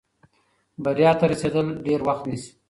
بریا ته رسېدل ډېر وخت نیسي.